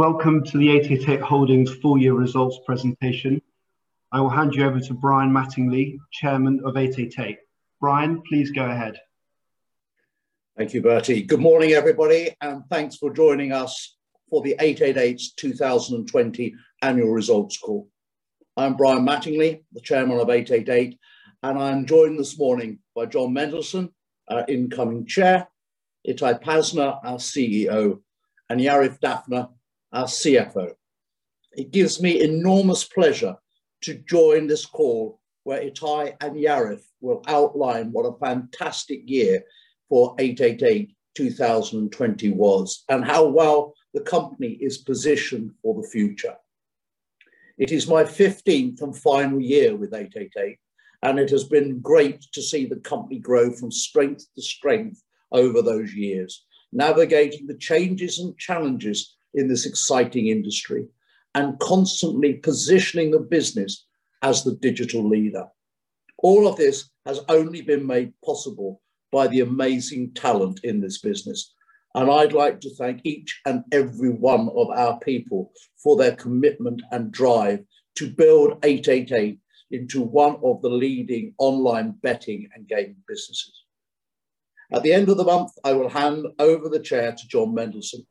Welcome to the 888 Holdings full year results presentation. I will hand you over to Brian Mattingley, Chairman of 888. Brian, please go ahead. Thank you, Bertie. Good morning, everybody, and thanks for joining us for the 888's 2020 annual results call. I'm Brian Mattingley, the Chairman of 888, and I'm joined this morning by Jon Mendelsohn, our incoming Chair, Itai Pazner, our CEO, and Yariv Dafna, our CFO. It gives me enormous pleasure to join this call where Itai and Yariv will outline what a fantastic year for 888 2020 was, and how well the company is positioned for the future. It is my 15th and final year with 888, and it has been great to see the company grow from strength to strength over those years, navigating the changes and challenges in this exciting industry, and constantly positioning the business as the digital leader. All of this has only been made possible by the amazing talent in this business. I'd like to thank each and every one of our people for their commitment and drive to build 888 into one of the leading online betting and gaming businesses. At the end of the month, I will hand over the chair to Jon Mendelsohn.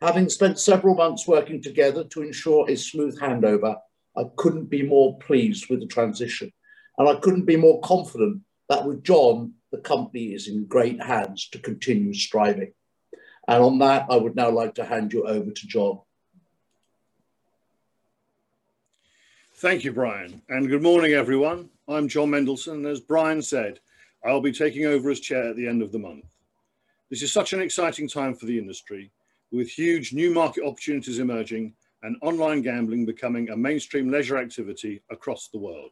Having spent several months working together to ensure a smooth handover, I couldn't be more pleased with the transition. I couldn't be more confident that with Jon, the company is in great hands to continue striving. On that, I would now like to hand you over to Jon. Thank you, Brian, and good morning, everyone. I'm Jon Mendelsohn, and as Brian said, I'll be taking over as Chair at the end of the month. This is such an exciting time for the industry, with huge new market opportunities emerging and online gambling becoming a mainstream leisure activity across the world.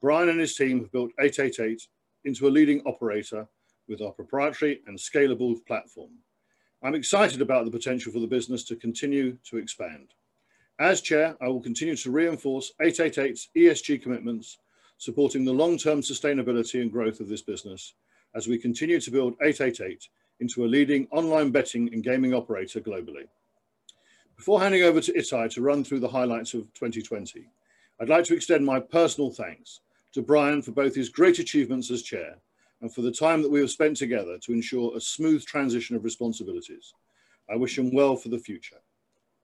Brian and his team have built 888 into a leading operator with our proprietary and scalable platform. I'm excited about the potential for the business to continue to expand. As Chair, I will continue to reinforce 888's ESG commitments, supporting the long-term sustainability and growth of this business as we continue to build 888 into a leading online betting and gaming operator globally. Before handing over to Itai to run through the highlights of 2020, I'd like to extend my personal thanks to Brian for both his great achievements as Chair and for the time that we have spent together to ensure a smooth transition of responsibilities. I wish him well for the future.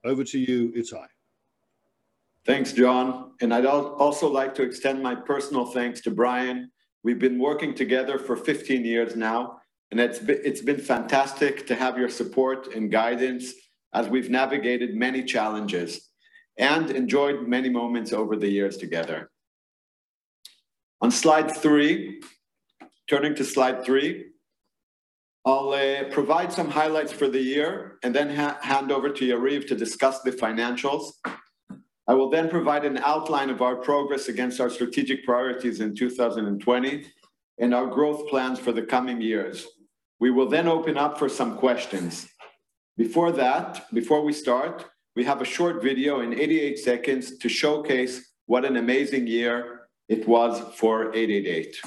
Over to you, Itai. Thanks, Jon, and I'd also like to extend my personal thanks to Brian. We've been working together for 15 years now, and it's been fantastic to have your support and guidance as we've navigated many challenges and enjoyed many moments over the years together. On slide three, turning to slide three, I'll provide some highlights for the year and then hand over to Yariv to discuss the financials. I will then provide an outline of our progress against our strategic priorities in 2020 and our growth plans for the coming years. We will then open up for some questions. Before that, before we start, we have a short video in 88 seconds to showcase what an amazing year it was for 888.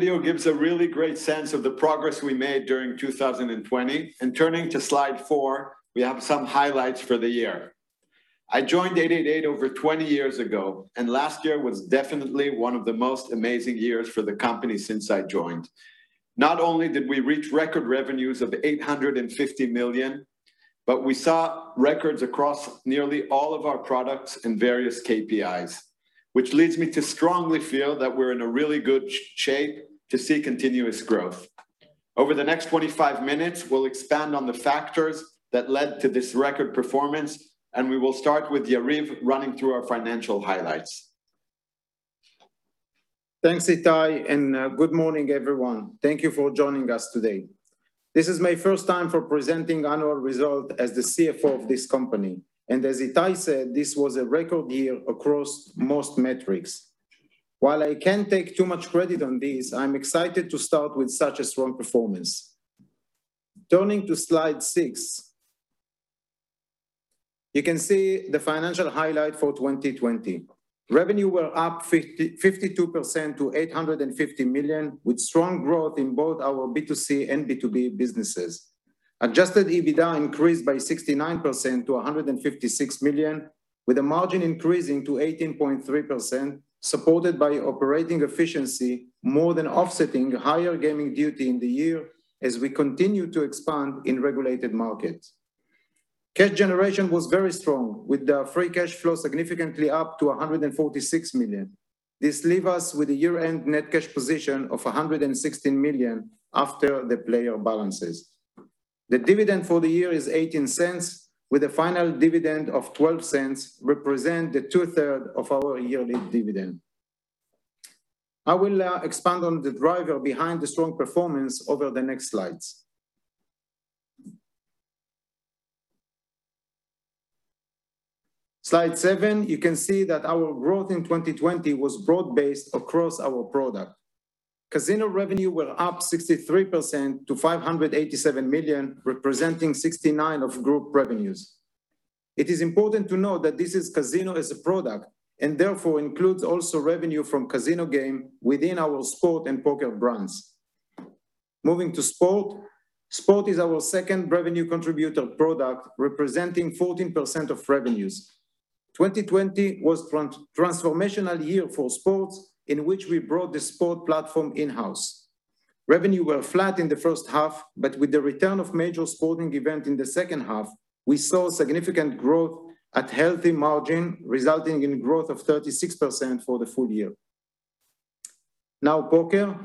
That video gives a really great sense of the progress we made during 2020, and turning to slide four, we have some highlights for the year. I joined 888 over 20 years ago, and last year was definitely one of the most amazing years for the company since I joined. Not only did we reach record revenues of $850 million, but we saw records across nearly all of our products and various KPIs. Which leads me to strongly feel that we're in a really good shape to see continuous growth. Over the next 25 minutes, we'll expand on the factors that led to this record performance, and we will start with Yariv running through our financial highlights. Thanks, Itai. Good morning, everyone. Thank you for joining us today. This is my first time presenting annual results as the CFO of this company. As Itai said, this was a record year across most metrics. While I can't take too much credit on this, I'm excited to start with such a strong performance. Turning to slide six, you can see the financial highlight for 2020. Revenue was up 52% to $850 million, with strong growth in both our B2C and B2B businesses. Adjusted EBITDA increased by 69% to $156 million, with a margin increasing to 18.3%, supported by operating efficiency more than offsetting higher gaming duty in the year as we continue to expand in regulated markets. Cash generation was very strong, with the free cash flow significantly up to $146 million. This leaves us with a year-end net cash position of $116 million after the player balances. The dividend for the year is $0.18, with the final dividend of $0.12 representing two-thirds of our yearly dividend. I will now expand on the driver behind the strong performance over the next slides. Slide seven, you can see that our growth in 2020 was broad-based across our product. Casino revenue was up 63% to $587 million, representing 69% of group revenues. `It is important to note that this is casino as a product, and therefore includes also revenue from casino games within our sport and poker brands. Moving to sport. Sport is our second revenue contributor product, representing 14% of revenues. 2020 was a transformational year for sports, in which we brought the sport platform in-house. Revenue was flat in the first half, but with the return of major sporting events in the second half, we saw significant growth at a healthy margin, resulting in growth of 36% for the full year. Poker.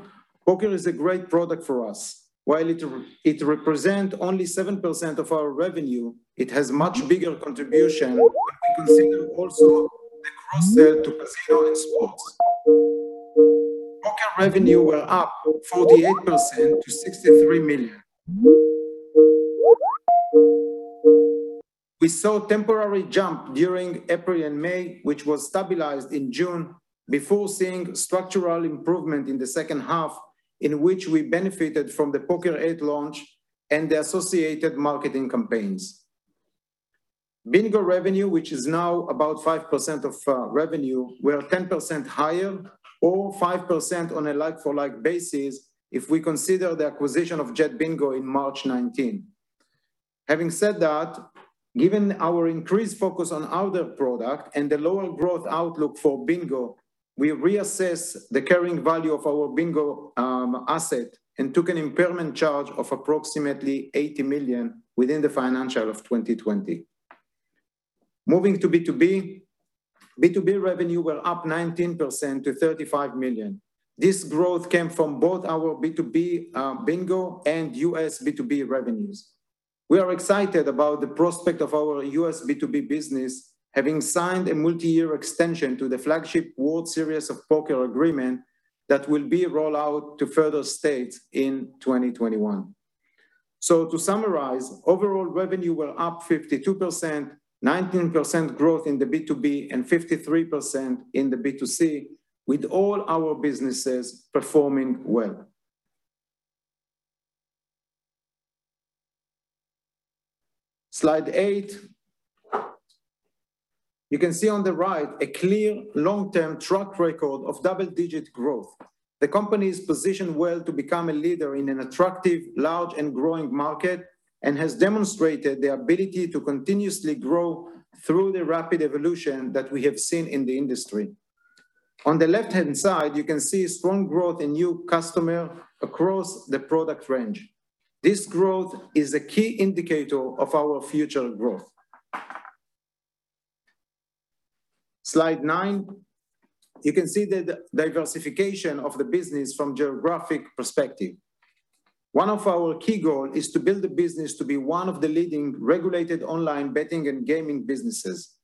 Poker is a great product for us. While it represents only 7% of our revenue, it has a much bigger contribution when we consider also the cross-sell to casino and sports. Poker revenue was up 48% to $63 million. We saw a temporary jump during April and May, which was stabilized in June before seeing structural improvement in the second half, in which we benefited from the Poker 8 launch and the associated marketing campaigns. Bingo revenue, which is now about 5% of revenue, was 10% higher or 5% on a like-for-like basis if we consider the acquisition of Jet Bingo in March 2019. Having said that, given our increased focus on other products and the lower growth outlook for bingo, we reassessed the carrying value of our bingo asset and took an impairment charge of approximately $80 million within the financial year of 2020. Moving to B2B. B2B revenue was up 19% to $35 million. This growth came from both our B2B bingo and U.S. B2B revenues. We are excited about the prospect of our U.S. B2B business having signed a multi-year extension to the flagship World Series of Poker agreement that will be rolled out to further states in 2021. To summarize, overall revenue was up 52%, 19% growth in the B2B, and 53% in the B2C, with all our businesses performing well. Slide eight. You can see on the right a clear long-term track record of double-digit growth. The company is positioned well to become a leader in an attractive, large, and growing market, and has demonstrated the ability to continuously grow through the rapid evolution that we have seen in the industry. On the left-hand side, you can see strong growth in new customers across the product range. This growth is a key indicator of our future growth. Slide nine. You can see the diversification of the business from a geographic perspective. One of our key goals is to build the business to be one of the leading regulated online betting and gaming businesses.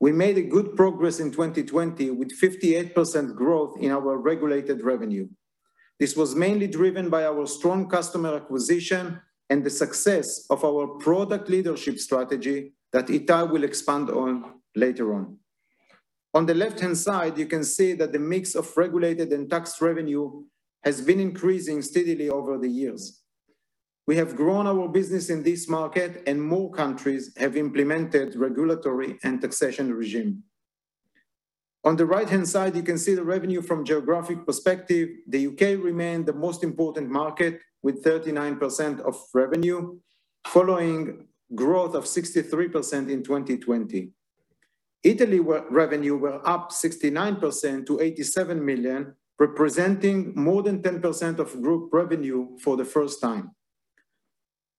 We made good progress in 2020, with 58% growth in our regulated revenue. This was mainly driven by our strong customer acquisition and the success of our product leadership strategy that Itai will expand on later on. On the left-hand side, you can see that the mix of regulated and taxed revenue has been increasing steadily over the years. We have grown our business in this market, and more countries have implemented regulatory and taxation regimes. On the right-hand side, you can see the revenue from a geographic perspective. The U.K. remained the most important market, with 39% of revenue following growth of 63% in 2020. Italy revenue was up 69% to $87 million, representing more than 10% of group revenue for the first time.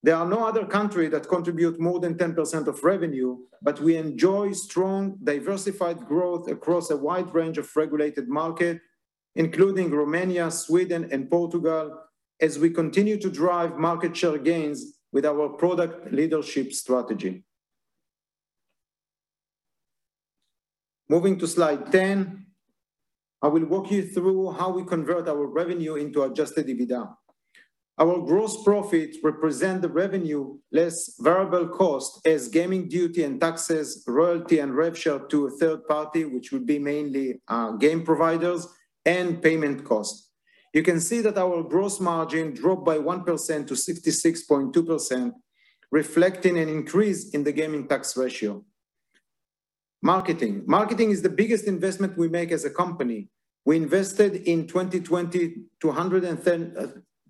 There are no other country that contribute more than 10% of revenue, but we enjoy strong, diversified growth across a wide range of regulated market, including Romania, Sweden, and Portugal, as we continue to drive market share gains with our product leadership strategy. Moving to slide 10, I will walk you through how we convert our revenue into adjusted EBITDA. Our gross profit represent the revenue less variable cost as gaming duty and taxes, royalty, and rev share to a third party, which would be mainly game providers, and payment cost. You can see that our gross margin dropped by 1% to 66.2%, reflecting an increase in the gaming tax ratio. Marketing. Marketing is the biggest investment we make as a company. We invested, in 2020,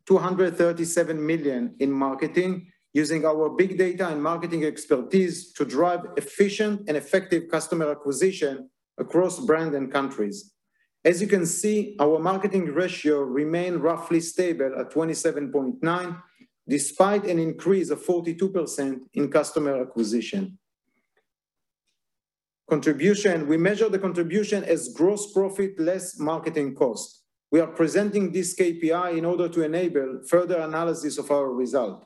$237 million in marketing using our big data and marketing expertise to drive efficient and effective customer acquisition across brand and countries. As you can see, our marketing ratio remained roughly stable at 27.9%, despite an increase of 42% in customer acquisition. Contribution. We measure the contribution as gross profit less marketing cost. We are presenting this KPI in order to enable further analysis of our result.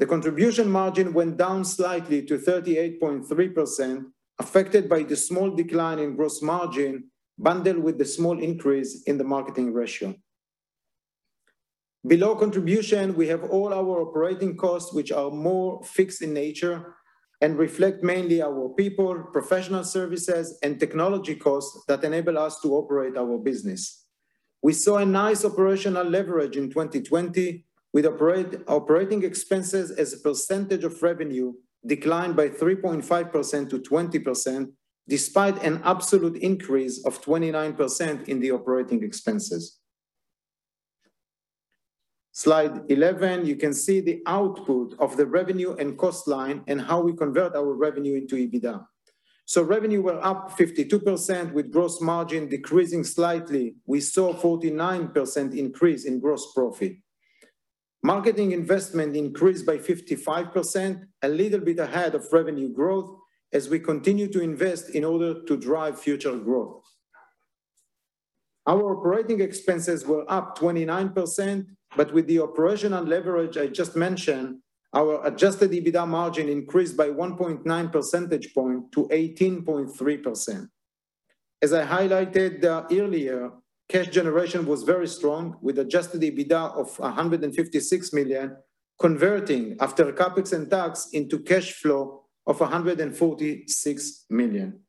The contribution margin went down slightly to 38.3%, affected by the small decline in gross margin bundled with the small increase in the marketing ratio. Below contribution, we have all our operating costs, which are more fixed in nature and reflect mainly our people, professional services, and technology costs that enable us to operate our business. We saw a nice operational leverage in 2020 with operating expenses as a percentage of revenue declined by 3.5% to 20%, despite an absolute increase of 29% in the operating expenses. Slide 11, you can see the output of the revenue and cost line and how we convert our revenue into EBITDA. Revenue were up 52% with gross margin decreasing slightly. We saw a 49% increase in gross profit. Marketing investment increased by 55%, a little bit ahead of revenue growth as we continue to invest in order to drive future growth. Our operating expenses were up 29%, but with the operational leverage I just mentioned, our adjusted EBITDA margin increased by 1.9 percentage point to 18.3%. As I highlighted earlier, cash generation was very strong, with adjusted EBITDA of $156 million converting after CapEx and tax into cash flow of $146 million.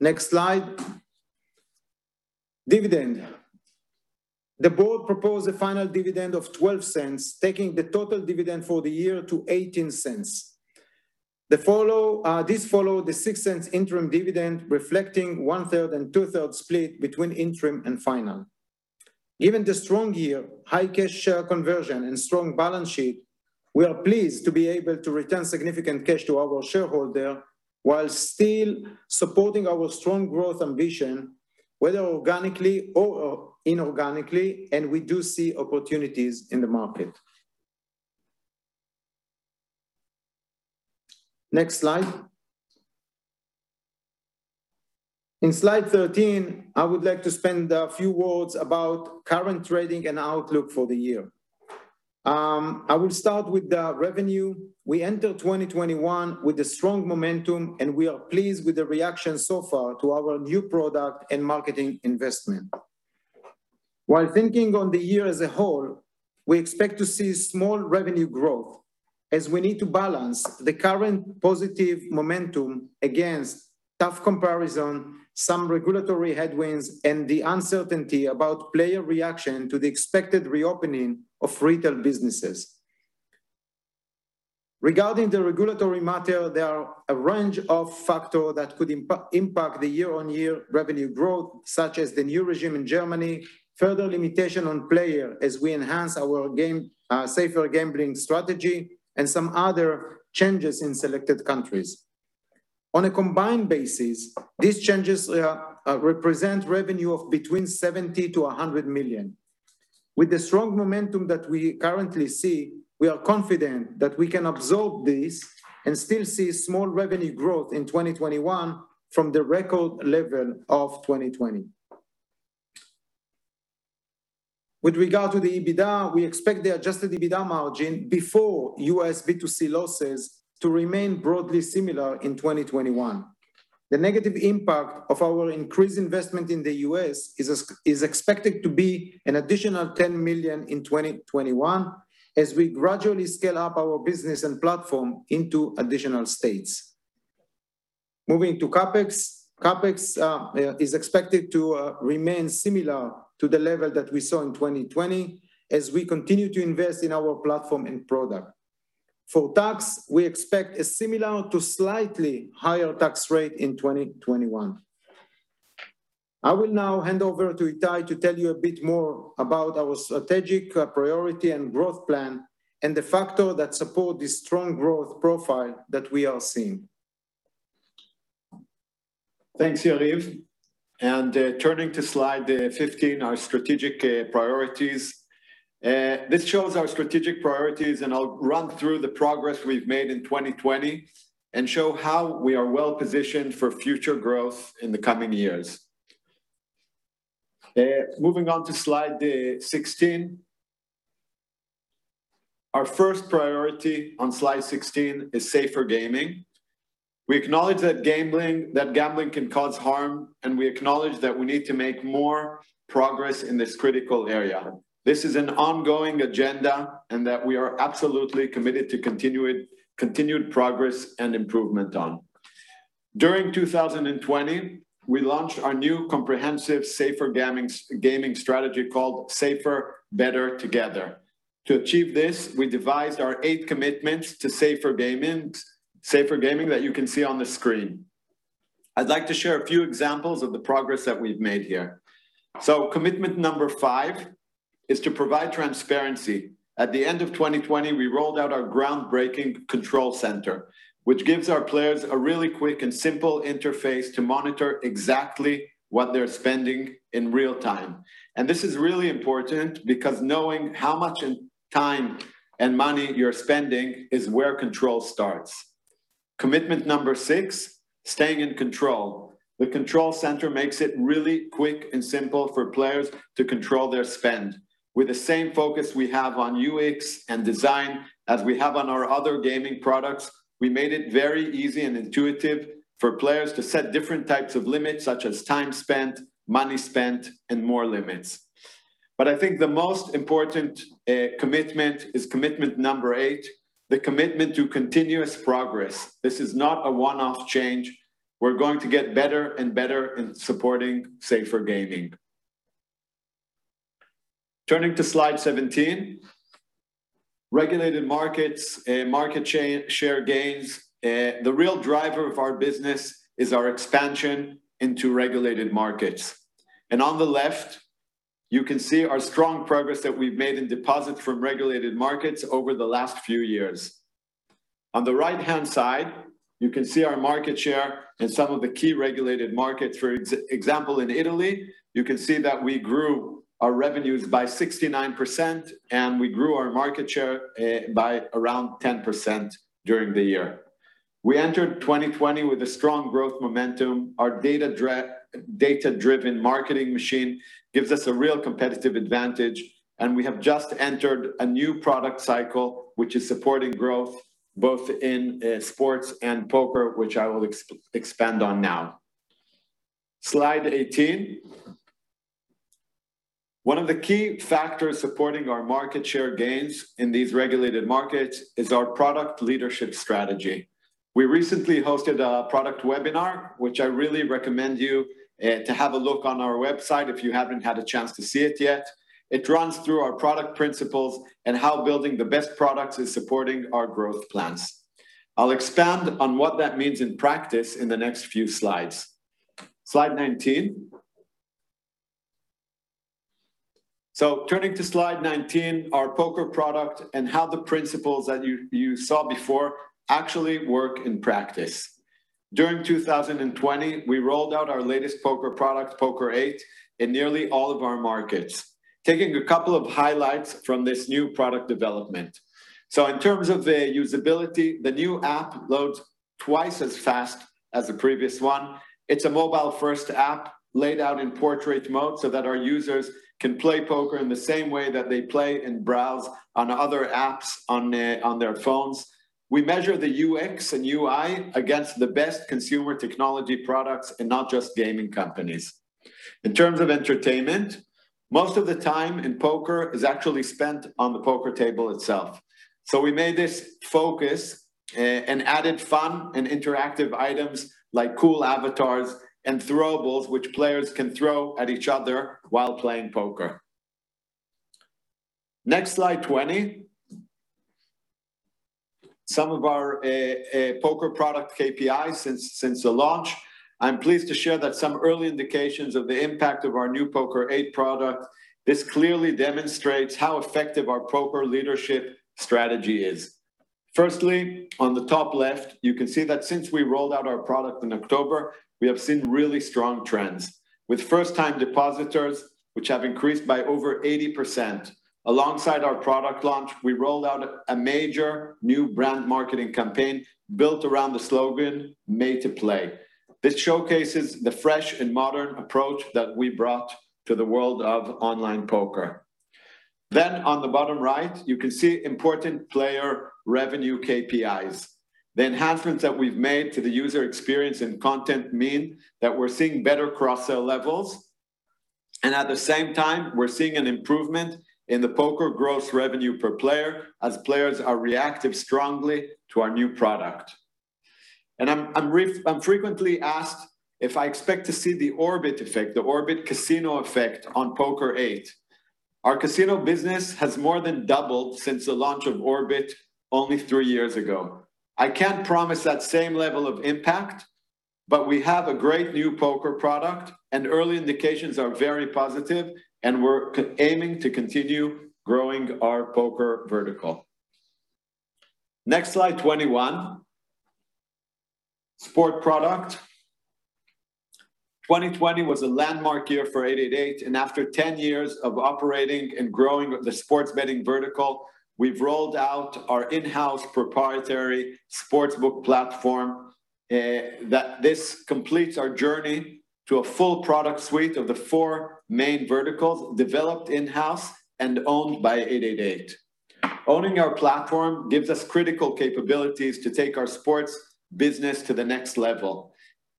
Next slide. Dividend. The board proposed a final dividend of $0.12, taking the total dividend for the year to $0.18. This followed the $0.06 interim dividend, reflecting one third and two third split between interim and final. Given the strong year, high cash share conversion, and strong balance sheet, we are pleased to be able to return significant cash to our shareholder while still supporting our strong growth ambition, whether organically or inorganically, and we do see opportunities in the market. Next slide. In slide 13, I would like to spend a few words about current trading and outlook for the year. I will start with the revenue. We enter 2021 with a strong momentum, and we are pleased with the reaction so far to our new product and marketing investment. While thinking on the year as a whole, we expect to see small revenue growth as we need to balance the current positive momentum against tough comparison, some regulatory headwinds, and the uncertainty about player reaction to the expected reopening of retail businesses. Regarding the regulatory matter, there are a range of factor that could impact the year-on-year revenue growth, such as the new regime in Germany, further limitation on player as we enhance our safer gambling strategy, and some other changes in selected countries. On a combined basis, these changes represent revenue of between $70 to 100 million With the strong momentum that we currently see, we are confident that we can absorb this and still see small revenue growth in 2021 from the record level of 2020. With regard to the EBITDA, we expect the adjusted EBITDA margin before U.S. B2C losses to remain broadly similar in 2021. The negative impact of our increased investment in the U.S. is expected to be an additional $10 million in 2021 as we gradually scale up our business and platform into additional states. Moving to CapEx. CapEx is expected to remain similar to the level that we saw in 2020 as we continue to invest in our platform and product. For tax, we expect a similar to slightly higher tax rate in 2021. I will now hand over to Itai to tell you a bit more about our strategic priority and growth plan and the factor that support this strong growth profile that we are seeing. Thanks, Yariv. Turning to slide 15, our strategic priorities. This shows our strategic priorities, and I'll run through the progress we've made in 2020 and show how we are well-positioned for future growth in the coming years. Moving on to slide 16. Our first priority on slide 16 is safer gambling. We acknowledge that gambling can cause harm, and we acknowledge that we need to make more progress in this critical area. This is an ongoing agenda and that we are absolutely committed to continued progress and improvement on. During 2020, we launched our new comprehensive safer gambling strategy called Safer. Better. Together. To achieve this, we devised our eight commitments to safer gambling that you can see on the screen. I'd like to share a few examples of the progress that we've made here. Commitment number five is to provide transparency. At the end of 2020, we rolled out our groundbreaking Control Centre, which gives our players a really quick and simple interface to monitor exactly what they're spending in real time. This is really important because knowing how much in time and money you're spending is where control starts. Commitment number 6, staying in control. The Control Centre makes it really quick and simple for players to control their spend. With the same focus we have on UX and design as we have on our other gaming products, we made it very easy and intuitive for players to set different types of limits, such as time spent, money spent, and more limits. I think the most important commitment is commitment number eight, the commitment to continuous progress. This is not a one-off change. We're going to get better and better in supporting safer gaming. Turning to slide 17. Regulated markets, market share gains. The real driver of our business is our expansion into regulated markets. On the left, you can see our strong progress that we've made in deposits from regulated markets over the last few years. On the right-hand side, you can see our market share in some of the key regulated markets. For example, in Italy, you can see that we grew our revenues by 69%, and we grew our market share by around 10% during the year. We entered 2020 with a strong growth momentum. Our data-driven marketing machine gives us a real competitive advantage, and we have just entered a new product cycle, which is supporting growth both in sports and poker, which I will expand on now. Slide 18. One of the key factors supporting our market share gains in these regulated markets is our product leadership strategy. We recently hosted a product webinar, which I really recommend you to have a look on our website if you haven't had a chance to see it yet. It runs through our product principles and how building the best products is supporting our growth plans. I'll expand on what that means in practice in the next few slides. Slide 19. Turning to slide 19, our poker product and how the principles that you saw before actually work in practice. During 2020, we rolled out our latest poker product, Poker 8, in nearly all of our markets. Taking a couple of highlights from this new product development. In terms of the usability, the new app loads twice as fast as the previous one. It's a mobile-first app laid out in portrait mode so that our users can play poker in the same way that they play and browse on other apps on their phones. We measure the UX and UI against the best consumer technology products and not just gaming companies. In terms of entertainment, most of the time in poker is actually spent on the poker table itself. We made this focus and added fun and interactive items like cool avatars and throwables, which players can throw at each other while playing poker. Next, slide 20. Some of our poker product KPI since the launch. I'm pleased to share that some early indications of the impact of our new Poker 8 product. This clearly demonstrates how effective our poker leadership strategy is. Firstly, on the top left, you can see that since we rolled out our product in October, we have seen really strong trends with First-Time Depositors, which have increased by over 80%. Alongside our product launch, we rolled out a major new brand marketing campaign built around the slogan "Made to Play." This showcases the fresh and modern approach that we brought to the world of online poker. On the bottom right, you can see important player revenue KPIs. The enhancements that we've made to the user experience and content mean that we're seeing better cross-sell levels. At the same time, we're seeing an improvement in the poker gross revenue per player as players are reactive strongly to our new product. I'm frequently asked if I expect to see the Orbit effect, the Orbit casino effect on Poker 8. Our casino business has more than doubled since the launch of Orbit only three years ago. I can't promise that same level of impact, but we have a great new poker product, and early indications are very positive, and we're aiming to continue growing our poker vertical. Next slide, 21. Sport product. 2020 was a landmark year for 888, and after 10 years of operating and growing the sports betting vertical, we've rolled out our in-house proprietary sportsbook platform. This completes our journey to a full product suite of the four main verticals developed in-house and owned by 888. Owning our platform gives us critical capabilities to take our sports business to the next level,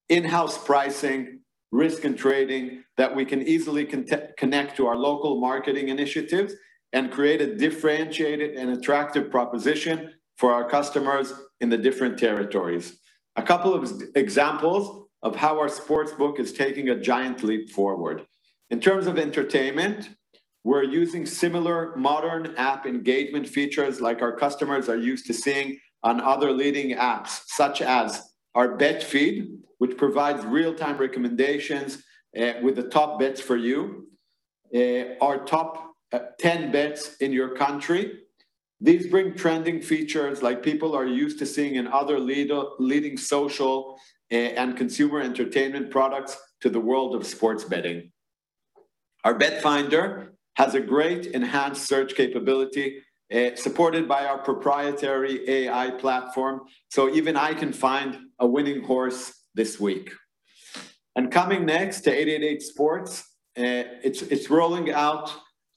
in-house pricing, risk and trading that we can easily connect to our local marketing initiatives and create a differentiated and attractive proposition for our customers in the different territories. A couple of examples of how our sportsbook is taking a giant leap forward. In terms of entertainment, we're using similar modern app engagement features like our customers are used to seeing on other leading apps, such as our BetFeed, which provides real-time recommendations with the top bets for you. Our top 10 bets in your country. These bring trending features like people are used to seeing in other leading social and consumer entertainment products to the world of sports betting. Our BetFinder has a great enhanced search capability, supported by our proprietary AI platform, so even I can find a winning horse this week. Coming next to 888sport, it's rolling out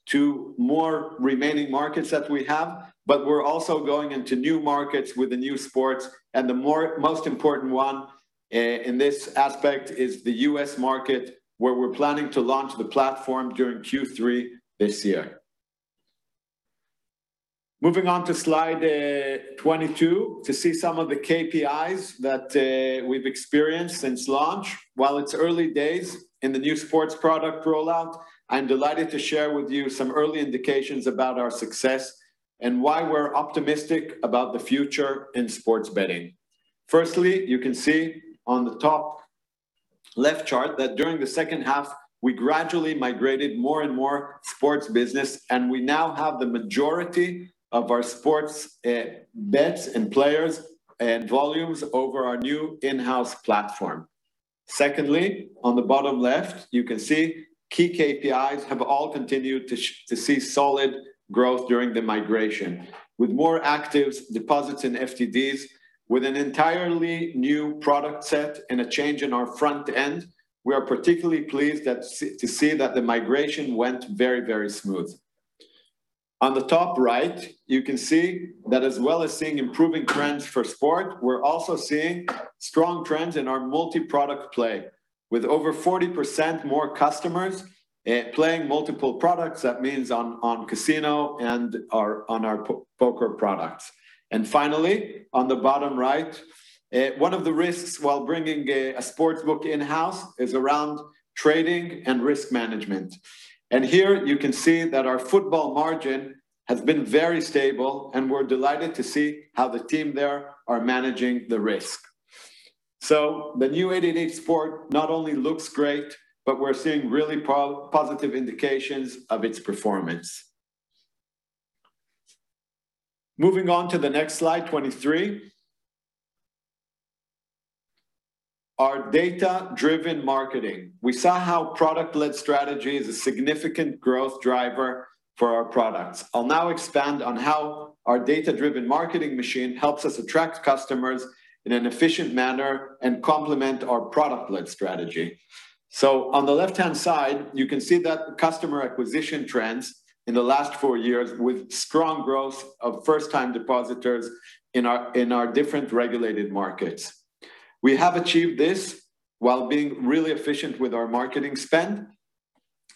to more remaining markets that we have, but we're also going into new markets with the new sports, and the most important one in this aspect is the U.S. market, where we're planning to launch the platform during Q3 this year. Moving on to slide 22 to see some of the KPIs that we've experienced since launch. While it's early days in the new sports product rollout, I'm delighted to share with you some early indications about our success and why we're optimistic about the future in sports betting. Firstly, you can see on the top left chart that during the second half, we gradually migrated more and more sports business, and we now have the majority of our sports bets and players and volumes over our new in-house platform. Secondly, on the bottom left, you can see key KPIs have all continued to see solid growth during the migration. With more actives, deposits, and FTDs, with an entirely new product set and a change in our front end, we are particularly pleased to see that the migration went very, very smooth. The top right, you can see that as well as seeing improving trends for sport, we're also seeing strong trends in our multi-product play. With over 40% more customers playing multiple products, that means on casino and on our poker products. Finally, on the bottom right, one of the risks while bringing a sportsbook in-house is around trading and risk management. Here you can see that our football margin has been very stable, and we're delighted to see how the team there are managing the risk. The new 888sport not only looks great, but we're seeing really positive indications of its performance. Moving on to the next slide, 23. Our data-driven marketing. We saw how product-led strategy is a significant growth driver for our products. I'll now expand on how our data-driven marketing machine helps us attract customers in an efficient manner and complement our product-led strategy. On the left-hand side, you can see that customer acquisition trends in the last four years with strong growth of first-time depositors in our different regulated markets. We have achieved this while being really efficient with our marketing spend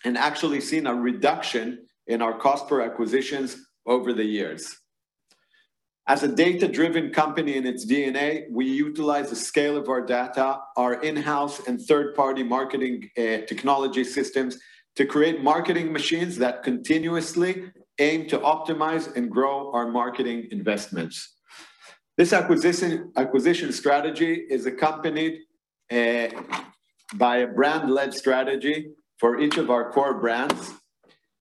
and actually seen a reduction in our cost per acquisitions over the years. As a data-driven company in its DNA, we utilize the scale of our data, our in-house and third-party marketing technology systems to create marketing machines that continuously aim to optimize and grow our marketing investments. This acquisition strategy is accompanied by a brand-led strategy for each of our core brands,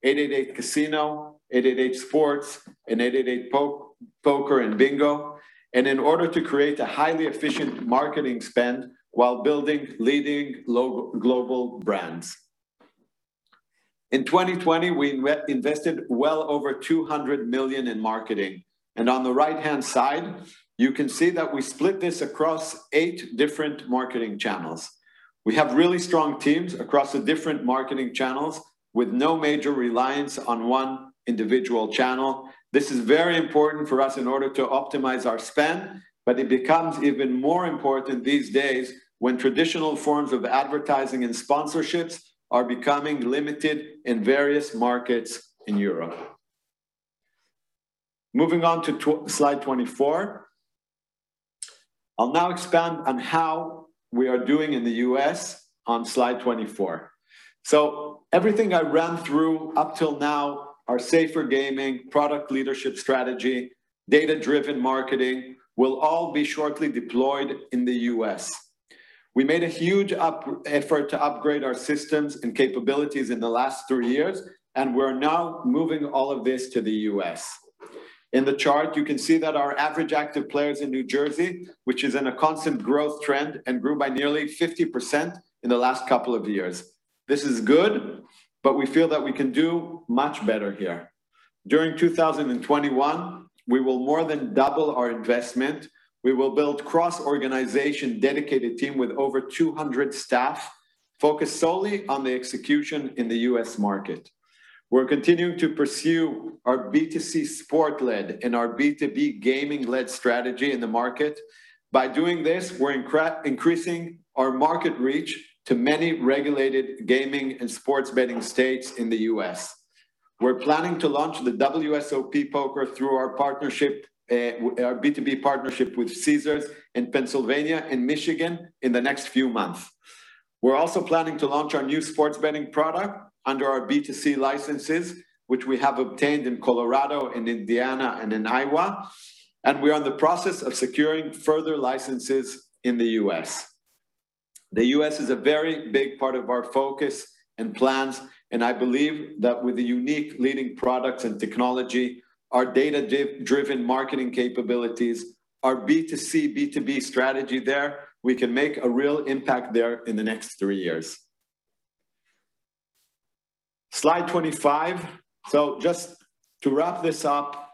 888casino, 888sport, and 888poker and Bingo. In order to create a highly efficient marketing spend while building leading global brands. In 2020, we invested well over $200 million in marketing. On the right-hand side, you can see that we split this across eight different marketing channels. We have really strong teams across the different marketing channels with no major reliance on one individual channel. This is very important for us in order to optimize our spend, but it becomes even more important these days when traditional forms of advertising and sponsorships are becoming limited in various markets in Europe. Moving on to slide 24. I'll now expand on how we are doing in the U.S. on slide 24. Everything I ran through up till now, our safer gaming, product leadership strategy, data-driven marketing, will all be shortly deployed in the U.S. We made a huge effort to upgrade our systems and capabilities in the last three years, and we're now moving all of this to the U.S. In the chart, you can see that our average active players in New Jersey, which is in a constant growth trend and grew by nearly 50% in the last couple of years. This is good, but we feel that we can do much better here. During 2021, we will more than double our investment. We will build cross-organization dedicated team with over 200 staff, focused solely on the execution in the U.S. market. We're continuing to pursue our B2C sport-led and our B2B gaming-led strategy in the market. By doing this, we're increasing our market reach to many regulated gaming and sports betting states in the U.S. We're planning to launch the WSOP poker through our B2B partnership with Caesars in Pennsylvania and Michigan in the next few months. We're also planning to launch our new sports betting product under our B2C licenses, which we have obtained in Colorado, in Indiana, and in Iowa. We are in the process of securing further licenses in the U.S. The U.S. is a very big part of our focus and plans, I believe that with the unique leading products and technology, our data-driven marketing capabilities, our B2C, B2B strategy there, we can make a real impact there in the next three years. Slide 25. Just to wrap this up,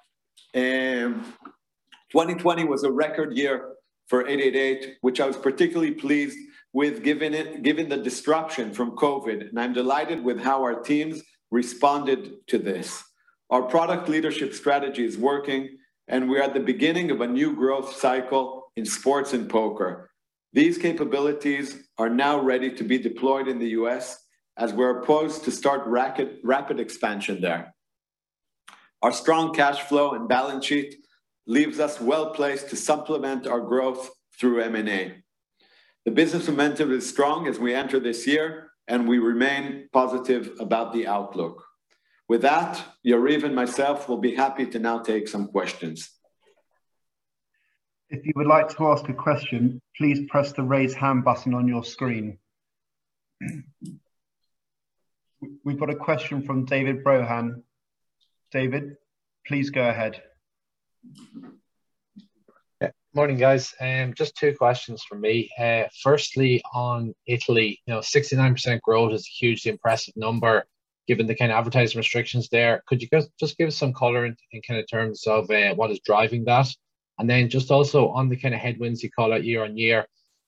2020 was a record year for 888, which I was particularly pleased with given the disruption from COVID, I'm delighted with how our teams responded to this. Our product leadership strategy is working, We're at the beginning of a new growth cycle in sports and poker. These capabilities are now ready to be deployed in the U.S. as we're posed to start rapid expansion there. Our strong cash flow and balance sheet leaves us well-placed to supplement our growth through M&A. The business momentum is strong as we enter this year, and we remain positive about the outlook. With that, Yariv and myself will be happy to now take some questions. If you would like to ask a question, please press the Raise Hand button on your screen. We've got a question from David Brohan. David, please go ahead. Morning, guys. Just two questions from me. Firstly, on Italy. 69% growth is a hugely impressive number given the kind of advertising restrictions there. Could you just give us some color in terms of what is driving that? And then just also on the kind of headwinds you call out year on year.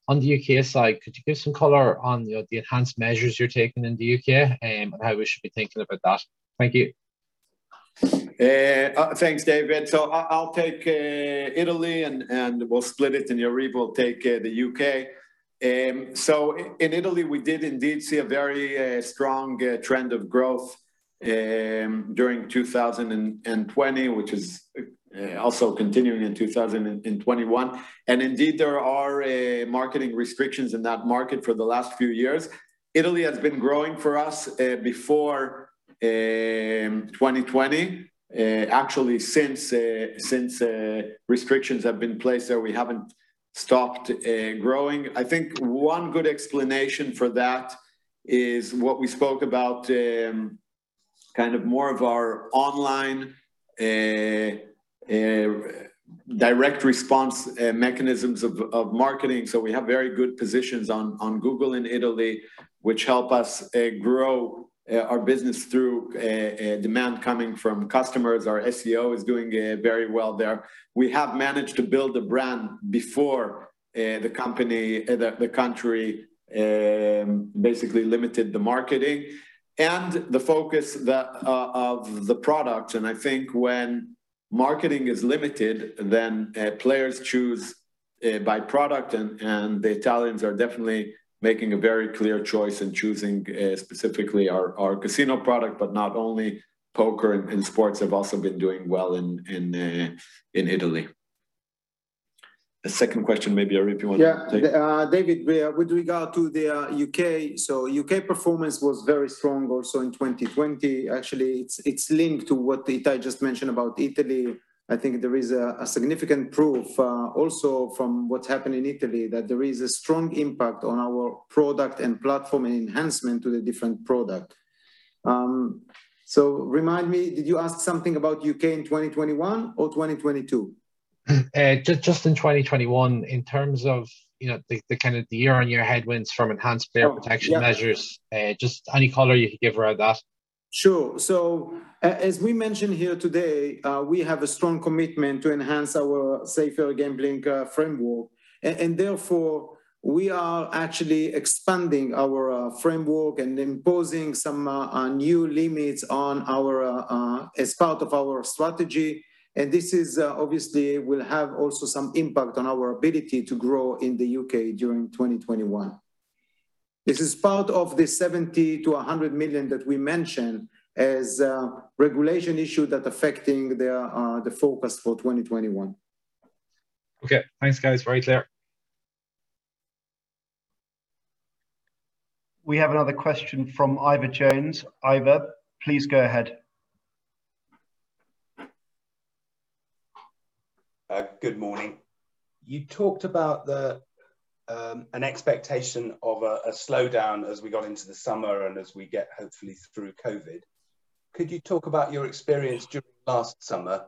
On the U.K. side, could you give some color on the enhanced measures you're taking in the U.K., and how we should be thinking about that? Thank you. Thanks, David. I'll take Italy, and we'll split it, and Yariv will take the U.K. In Italy, we did indeed see a very strong trend of growth during 2020, which is also continuing in 2021. Indeed, there are marketing restrictions in that market for the last few years. Italy has been growing for us before 2020. Actually, since restrictions have been placed there, we haven't stopped growing. I think one good explanation for that is what we spoke about, more of our online direct response mechanisms of marketing. We have very good positions on Google in Italy, which help us grow our business through demand coming from customers. Our SEO is doing very well there. We have managed to build a brand before the country basically limited the marketing, and the focus of the product. I think when marketing is limited, then players choose by product. The Italians are definitely making a very clear choice in choosing specifically our casino product, but not only poker and sports have also been doing well in Italy. The second question, maybe Yariv, you want to take? Yeah. David, with regard to the U.K., U.K. performance was very strong also in 2020. Actually, it's linked to what Itai just mentioned about Italy. I think there is a significant proof also from what's happened in Italy, that there is a strong impact on our product and platform enhancement to the different product. Remind me, did you ask something about U.K. in 2021 or 2022? Just in 2021 in terms of the year-on-year headwinds from enhanced player protection measures. Oh, yeah. Just any color you could give around that. Sure. As we mentioned here today, we have a strong commitment to enhance our safer gambling framework. Therefore, we are actually expanding our framework and imposing some new limits as part of our strategy. This obviously will have also some impact on our ability to grow in the U.K. during 2021. This is part of the $70 to 100 million that we mentioned as regulation issue that affecting the forecast for 2021. Okay. Thanks, guys. Very clear. We have another question from Ivor Jones. Ivor, please go ahead. Good morning. You talked about an expectation of a slowdown as we got into the summer, and as we get, hopefully, through COVID. Could you talk about your experience during last summer,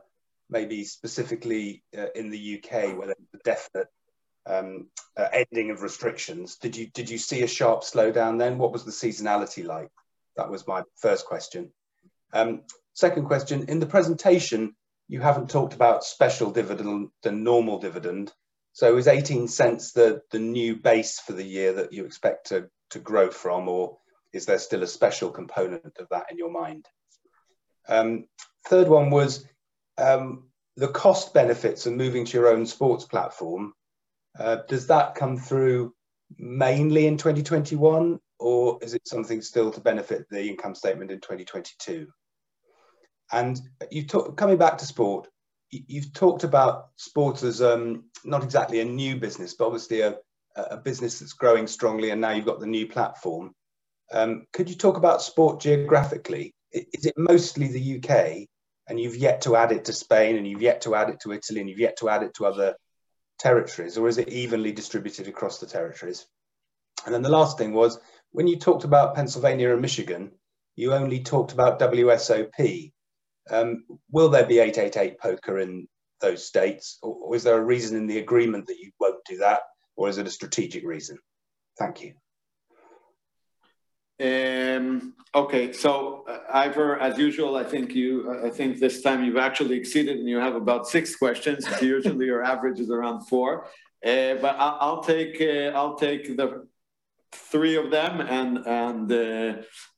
maybe specifically in the U.K. where there was a definite ending of restrictions. Did you see a sharp slowdown then? What was the seasonality like? That was my first question. Second question, in the presentation, you haven't talked about special dividend to normal dividend. Is $0.18 the new base for the year that you expect to grow from, or is there still a special component of that in your mind? Third one was, the cost benefits of moving to your own sports platform, does that come through mainly in 2021? Or is it something still to benefit the income statement in 2022? Coming back to sport, you've talked about sports as not exactly a new business, but obviously a business that's growing strongly, and now you've got the new platform. Could you talk about sport geographically? Is it mostly the U.K., and you've yet to add it to Spain, and you've yet to add it to Italy, and you've yet to add it to other territories, or is it evenly distributed across the territories? Then the last thing was, when you talked about Pennsylvania and Michigan, you only talked about WSOP. Will there be 888poker in those states, or is there a reason in the agreement that you won't do that, or is it a strategic reason? Thank you. Okay. Ivor, as usual, I think this time you've actually exceeded, and you have about six questions. Usually, your average is around four. I'll take three of them, and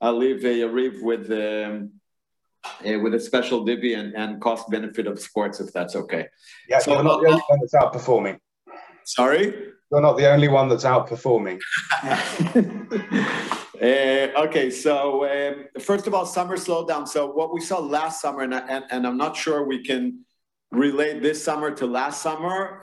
I'll leave Yariv with the special divvy and cost benefit of sports, if that's okay. Yes, you're not the only one that's outperforming. Sorry? You're not the only one that's outperforming. Okay. First of all, summer slowdown. What we saw last summer, and I'm not sure we can relate this summer to last summer,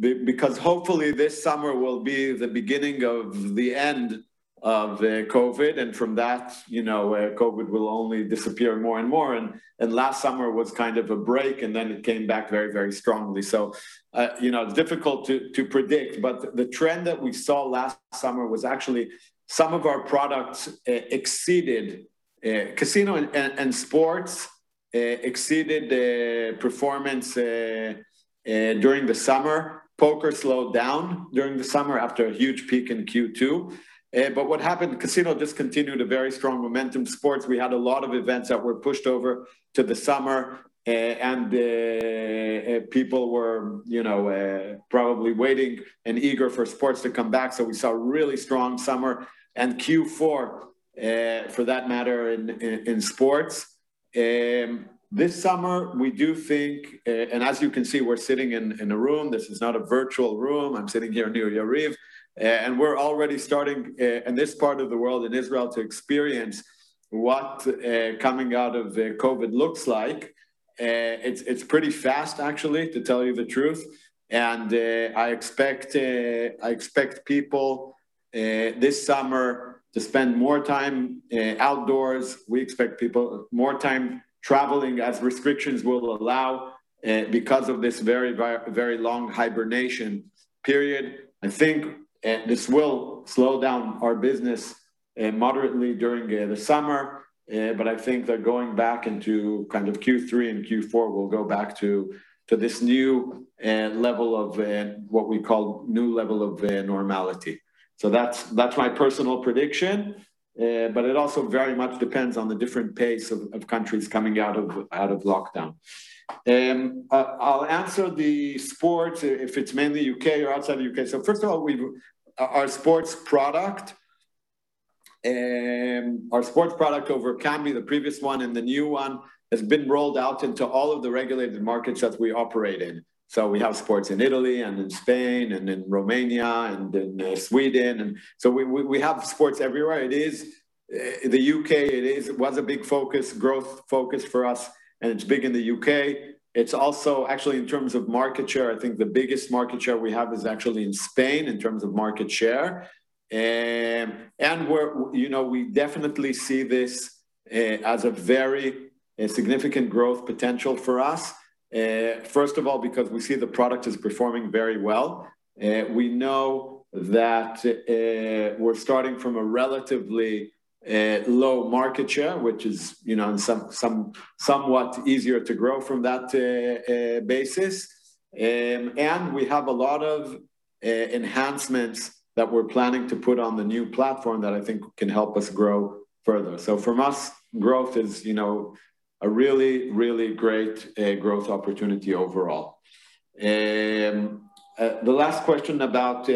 because hopefully this summer will be the beginning of the end of COVID, and from that, COVID will only disappear more and more. Last summer was a break, and then it came back very, very strongly. It's difficult to predict. The trend that we saw last summer was actually some of our products exceeded. Casino and sports exceeded the performance during the summer. Poker slowed down during the summer after a huge peak in Q2. What happened, the casino just continued a very strong momentum. Sports, we had a lot of events that were pushed over to the summer, and people were probably waiting and eager for sports to come back. We saw a really strong summer, and Q4, for that matter, in sports. This summer, as you can see, we're sitting in a room. This is not a virtual room. I'm sitting here near Yariv, and we're already starting, in this part of the world, in Israel, to experience what coming out of COVID looks like. It's pretty fast, actually, to tell you the truth. I expect people this summer to spend more time outdoors. We expect people more time traveling as restrictions will allow, because of this very long hibernation period. I think this will slow down our business moderately during the summer. I think that going back into Q3 and Q4, we'll go back to this new level of what we call new level of normality. That's my personal prediction. It also very much depends on the different pace of countries coming out of lockdown. I'll answer the sports, if it's mainly U.K. or outside the U.K. First of all, our sports product over Kambi, the previous one and the new one, has been rolled out into all of the regulated markets that we operate in. We have sports in Italy, and in Spain, and in Romania, and in Sweden. We have sports everywhere. The U.K., it was a big focus, growth focus for us, and it's big in the U.K. It's also, actually, in terms of market share, I think the biggest market share we have is actually in Spain in terms of market share. We definitely see this as a very significant growth potential for us. First of all, because we see the product is performing very well. We know that we're starting from a relatively low market share, which is somewhat easier to grow from that basis. We have a lot of enhancements that we're planning to put on the new platform that I think can help us grow further. From us, growth is a really, really great growth opportunity overall. The last question about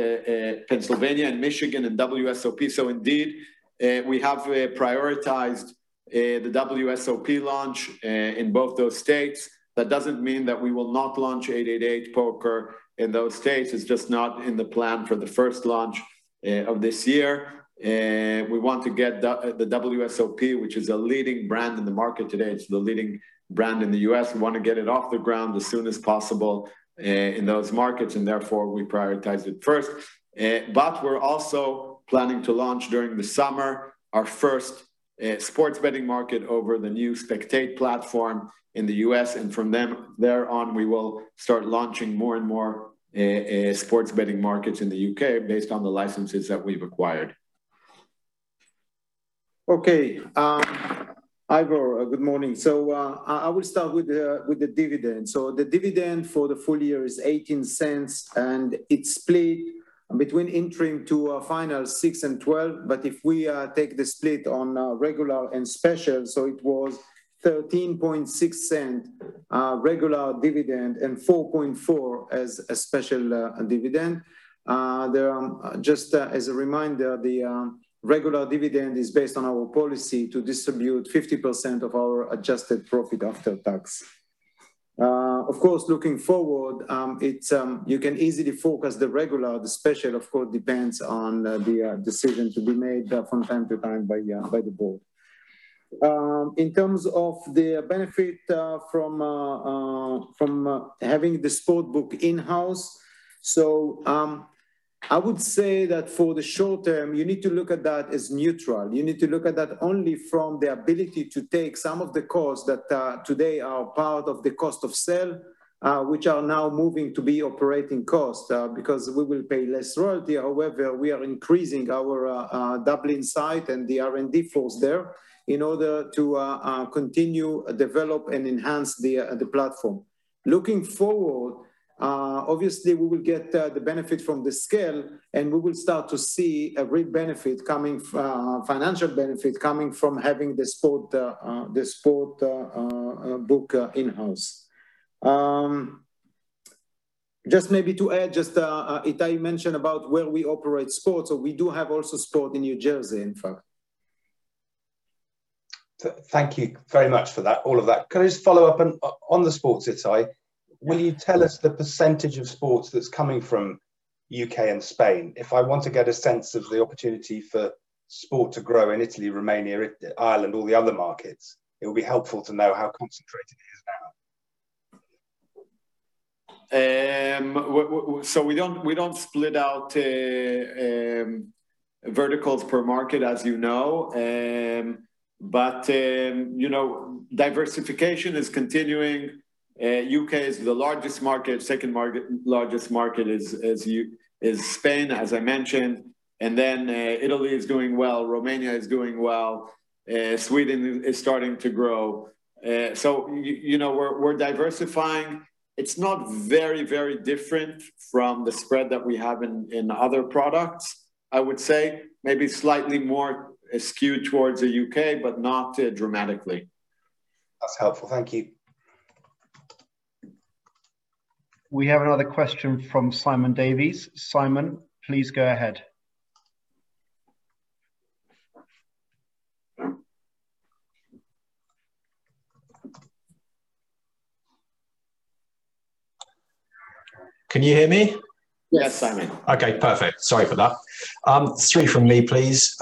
Pennsylvania and Michigan and WSOP. Indeed, we have prioritized the WSOP launch in both those states. That doesn't mean that we will not launch 888poker in those states. It's just not in the plan for the first launch of this year. We want to get the WSOP, which is a leading brand in the market today. It's the leading brand in the U.S. We want to get it off the ground as soon as possible in those markets, and therefore we prioritize it first. We're also planning to launch during the summer. Our first sports betting market over the new Spectate platform in the U.S., and from there on, we will start launching more and more sports betting markets in the U.K. based on the licenses that we've acquired. Okay. Ivor, good morning. I will start with the dividend. The dividend for the full year is $0.18, and it's split between interim to our final $0.06 and $0.12. If we take the split on regular and special, so it was $0.136 regular dividend and $0.044 as a special dividend. Just as a reminder, the regular dividend is based on our policy to distribute 50% of our adjusted profit after tax. Of course, looking forward, you can easily focus the regular. The special, of course, depends on the decision to be made from time to time by the board. In terms of the benefit from having the sportsbook in-house, I would say that for the short term, you need to look at that as neutral. You need to look at that only from the ability to take some of the costs that today are part of the cost of sale, which are now moving to be operating costs, because we will pay less royalty. We are increasing our Dublin site and the R&D force there in order to continue, develop, and enhance the platform. Looking forward, obviously we will get the benefit from the scale, and we will start to see a real financial benefit coming from having the sportsbook in-house. Just maybe to add, Itai mentioned about where we operate sports, we do have also sport in New Jersey, in fact. Thank you very much for all of that. Can I just follow up on the sports, Itai? Will you tell us the percentage of sports that's coming from U.K. and Spain? If I want to get a sense of the opportunity for sport to grow in Italy, Romania, Ireland, all the other markets, it would be helpful to know how concentrated it is now. We don't split out verticals per market, as you know. Diversification is continuing. U.K. is the largest market. Second largest market is Spain, as I mentioned, and then Italy is doing well. Romania is doing well. Sweden is starting to grow. We're diversifying. It's not very different from the spread that we have in other products, I would say. Maybe slightly more skewed towards the U.K., but not dramatically. That's helpful. Thank you. We have another question from Simon Davies. Simon, please go ahead. Can you hear me? Yes, Simon. Okay, perfect. Sorry for that. Three from me, please.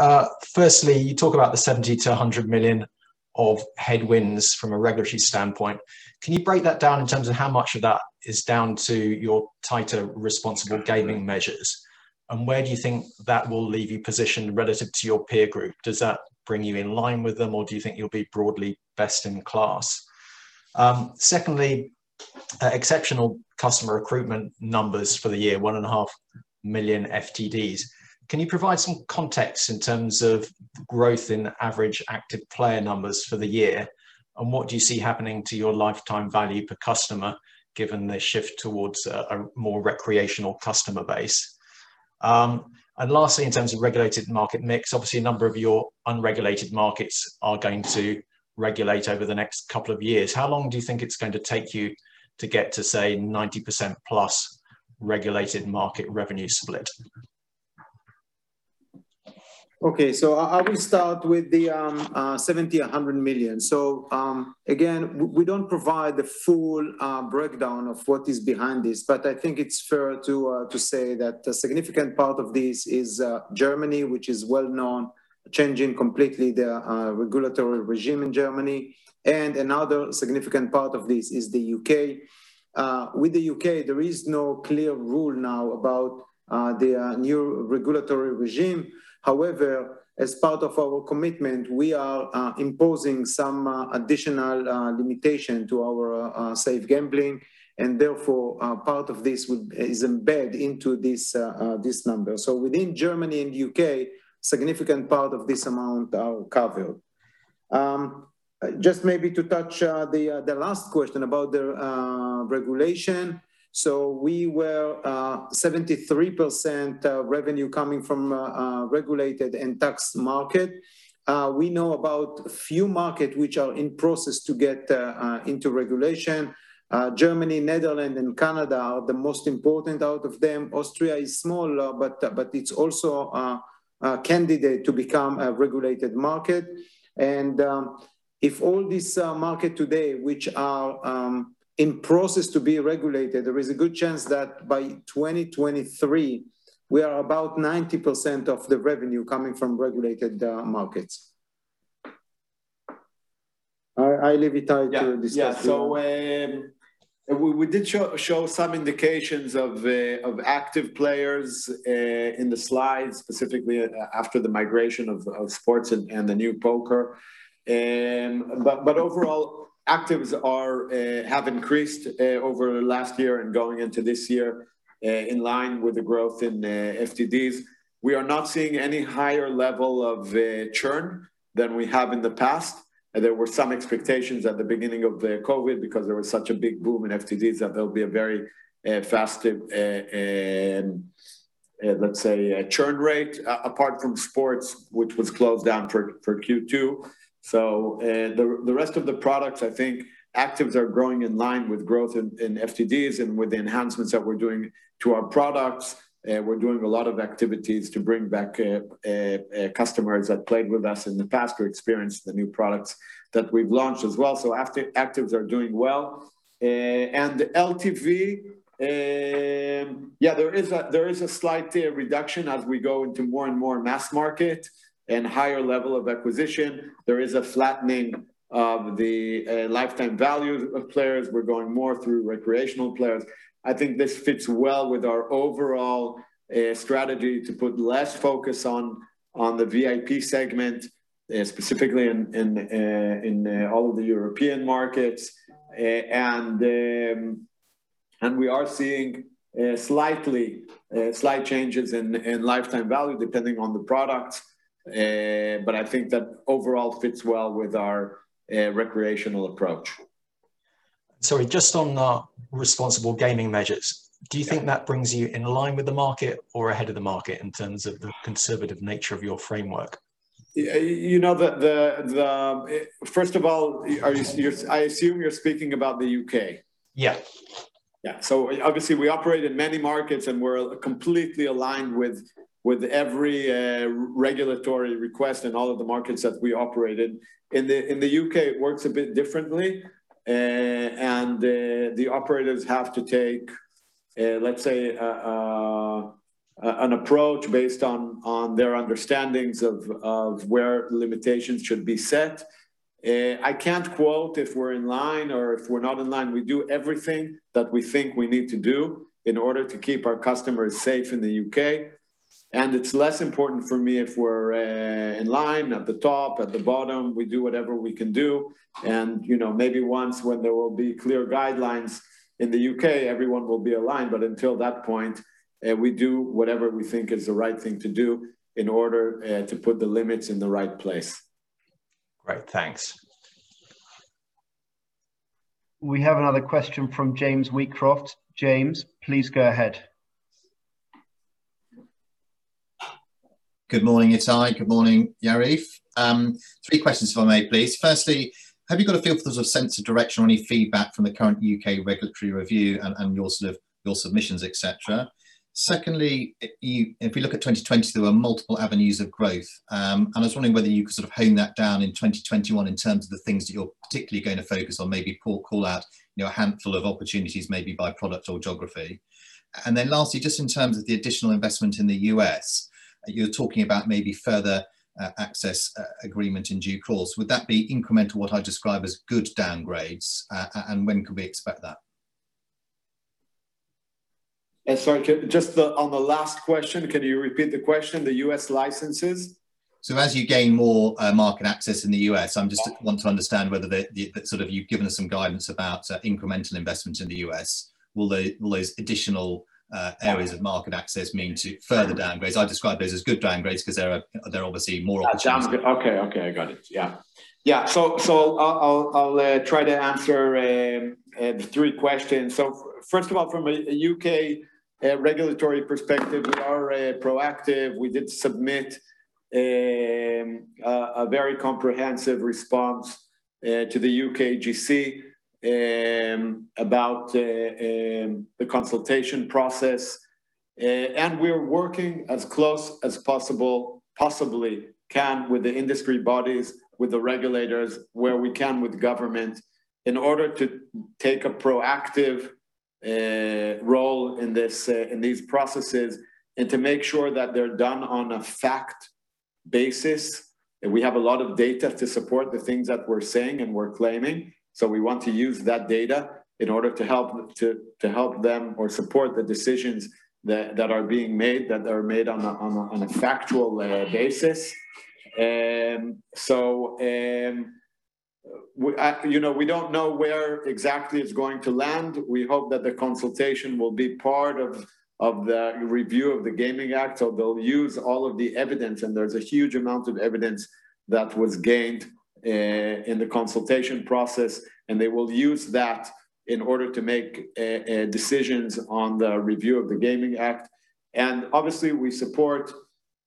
Firstly, you talk about the $70 to 100 million of headwinds from a regulatory standpoint. Can you break that down in terms of how much of that is down to your tighter responsible gaming measures, and where do you think that will leave you positioned relative to your peer group? Does that bring you in line with them, or do you think you'll be broadly best in class? Secondly, exceptional customer recruitment numbers for the year, 1.5 million FTDs. Can you provide some context in terms of growth in average active player numbers for the year, and what do you see happening to your LTV per customer given the shift towards a more recreational customer base? Lastly, in terms of regulated market mix, obviously a number of your unregulated markets are going to regulate over the next couple of years. How long do you think it's going to take you to get to, say, 90% plus regulated market revenue split? I will start with the $70 to 100 million. Again, we don't provide the full breakdown of what is behind this, but I think it's fair to say that a significant part of this is Germany, which is well known, changing completely the regulatory regime in Germany. Another significant part of this is the U.K. With the U.K., there is no clear rule now about the new regulatory regime. However, as part of our commitment, we are imposing some additional limitation to our safe gambling and therefore, part of this is embedded into this number. Within Germany and the U.K., significant part of this amount are covered. Just maybe to touch the last question about the regulation. We were 73% revenue coming from a regulated and taxed market. We know about few market which are in process to get into regulation. Germany, Netherlands, and Canada are the most important out of them. Austria is smaller, but it's also a candidate to become a regulated market. If all these markets today, which are in process to be regulated, there is a good chance that by 2023, we are about 90% of the revenue coming from regulated markets. I leave it to Itai to discuss. Yeah. We did show some indications of active players in the slides, specifically after the migration of sports and the new poker. Overall, actives have increased over last year and going into this year, in line with the growth in FTDs. We are not seeing any higher level of churn than we have in the past. There were some expectations at the beginning of the COVID because there was such a big boom in FTDs that there will be a very fast, let's say, churn rate apart from sports, which was closed down for Q2. The rest of the products, I think actives are growing in line with growth in FTDs and with the enhancements that we're doing to our products. We're doing a lot of activities to bring back customers that played with us in the past to experience the new products that we've launched as well. Actives are doing well. LTV, there is a slight reduction as we go into more and more mass market and higher level of acquisition. There is a flattening of the lifetime value of players. We're going more through recreational players. I think this fits well with our overall strategy to put less focus on the VIP segment, specifically in all of the European markets. We are seeing slight changes in lifetime value depending on the product. I think that overall fits well with our recreational approach. Sorry, just on the responsible gaming measures, do you think that brings you in line with the market or ahead of the market in terms of the conservative nature of your framework? First of all, I assume you're speaking about the U.K. Yes. Yeah. Obviously we operate in many markets, and we're completely aligned with every regulatory request in all of the markets that we operate in. In the U.K., it works a bit differently, and the operators have to take, let's say, an approach based on their understandings of where limitations should be set. I can't quote if we're in line or if we're not in line. We do everything that I think we need to do in order to keep our customers safe in the U.K., and it's less important for me if we're in line, at the top, at the bottom. We do whatever we can do. Maybe once when there will be clear guidelines in the U.K., everyone will be aligned. Until that point, we do whatever we think is the right thing to do in order to put the limits in the right place. Great. Thanks. We have another question from James Wheatcroft. James, please go ahead. Good morning, Itai. Good morning, Yariv. Three questions if I may, please. Firstly, have you got a feel for the sense of direction or any feedback from the current U.K. regulatory review and your submissions, et cetera? Secondly, if we look at 2020, there were multiple avenues of growth. I was wondering whether you could hone that down in 2021 in terms of the things that you're particularly going to focus on, maybe call out a handful of opportunities, maybe by product or geography. Lastly, just in terms of the additional investment in the U.S., you're talking about maybe further access agreement in due course. Would that be incremental, what I describe as good upgrades, and when could we expect that? Sorry, just on the last question, can you repeat the question, the U.S. licenses? As you gain more market access in the U.S., I just want to understand whether you've given us some guidance about incremental investment in the U.S. Will those additional areas of market access mean to further upgrades? I describe those as good upgrades because they're obviously more opportunities. Sounds good. Okay. I got it. Yeah. I'll try to answer the three questions. First of all, from a U.K. regulatory perspective, we are proactive. We did submit a very comprehensive response to the UKGC about the consultation process, and we are working as close as possible, possibly can with the industry bodies, with the regulators, where we can with government in order to take a proactive role in these processes and to make sure that they're done on a fact basis. We have a lot of data to support the things that we're saying and we're claiming. We want to use that data in order to help them or support the decisions that are being made, that are made on a factual basis. We don't know where exactly it's going to land. We hope that the consultation will be part of the review of the Gambling Act, they'll use all of the evidence, there's a huge amount of evidence that was gained in the consultation process, they will use that in order to make decisions on the review of the Gambling Act. Obviously we support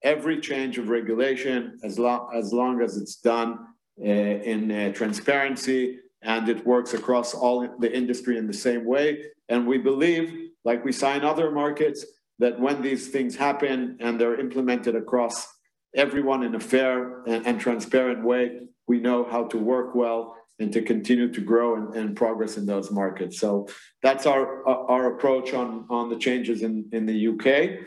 every change of regulation as long as it's done in transparency and it works across all the industry in the same way. We believe, like we saw in other markets, that when these things happen and they're implemented across everyone in a fair and transparent way, we know how to work well and to continue to grow and progress in those markets. That's our approach on the changes in the U.K.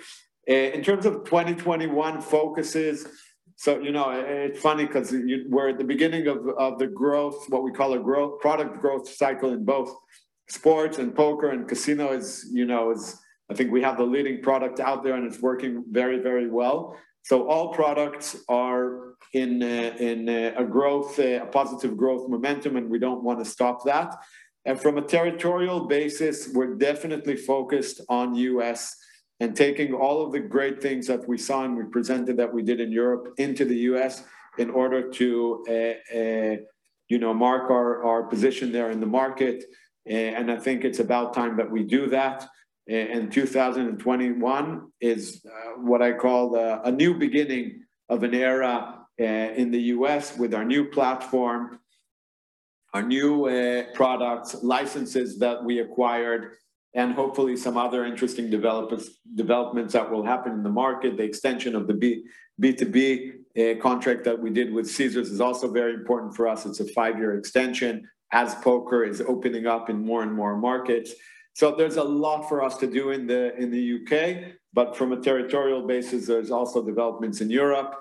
In terms of 2021 focuses. It's funny because we're at the beginning of the growth, what we call a product growth cycle in both sports and poker and casino. I think we have the leading product out there, and it's working very well. All products are in a positive growth momentum, and we don't want to stop that. From a territorial basis, we're definitely focused on U.S. and taking all of the great things that we saw and we presented that we did in Europe into the U.S. in order to mark our position there in the market. I think it's about time that we do that. 2021 is what I call a new beginning of an era in the U.S. with our new platform, our new products, licenses that we acquired, and hopefully some other interesting developments that will happen in the market. The extension of the B2B contract that we did with Caesars is also very important for us. It's a 5-year extension, as poker is opening up in more and more markets. There's a lot for us to do in the U.K., but from a territorial basis, there's also developments in Europe.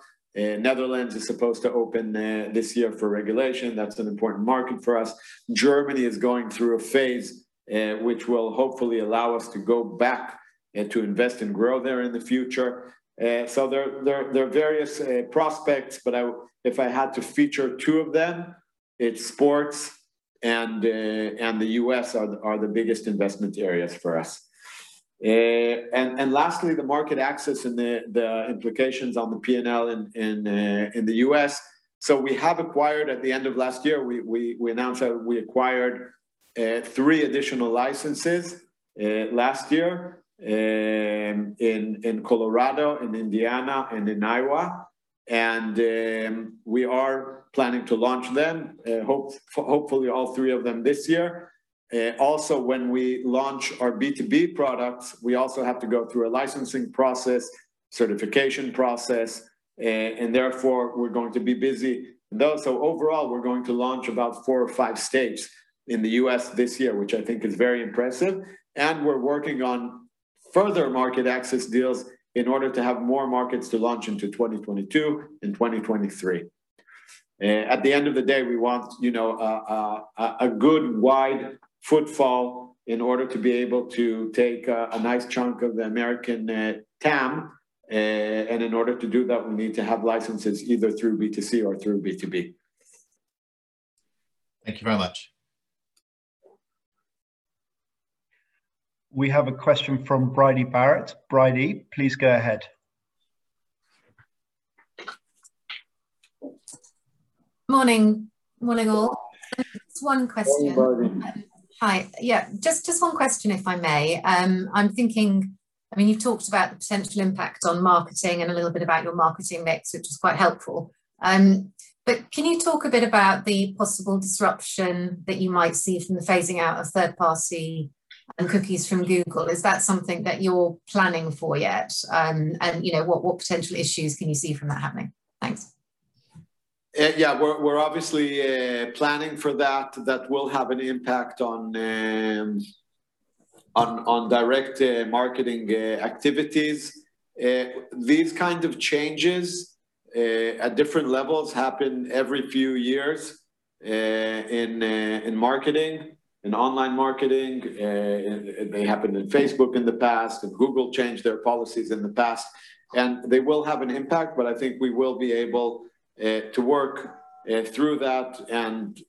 Netherlands is supposed to open this year for regulation. That's an important market for us. Germany is going through a phase which will hopefully allow us to go back and to invest and grow there in the future. There are various prospects, but if I had to feature two of them, it's sports and the U.S. are the biggest investment areas for us. Lastly, the market access and the implications on the P&L in the U.S. We have acquired, at the end of last year, we announced that we acquired three additional licenses last year in Colorado and Indiana and in Iowa. We are planning to launch them, hopefully all three of them this year. Also, when we launch our B2B products, we also have to go through a licensing process, certification process, and therefore, we're going to be busy. Overall, we're going to launch about four or five states in the U.S. this year, which I think is very impressive. We're working on further market access deals in order to have more markets to launch into 2022 and 2023. At the end of the day, we want a good wide footfall in order to be able to take a nice chunk of the American TAM. In order to do that, we need to have licenses either through B2C or through B2B. Thank you very much. We have a question from Bridie Barrett. Bridie, please go ahead. Morning, all. Just one question. Morning, Bridie. Hi. Yeah, just one question, if I may. I'm thinking, you've talked about the potential impact on marketing and a little bit about your marketing mix, which is quite helpful. Can you talk a bit about the possible disruption that you might see from the phasing out of third-party cookies from Google? Is that something that you're planning for yet? What potential issues can you see from that happening? Thanks. Yeah. We're obviously planning for that. That will have an impact on direct marketing activities. These kinds of changes at different levels happen every few years in marketing, in online marketing. It happened in Facebook in the past, Google changed their policies in the past. They will have an impact, but I think we will be able to work through that, and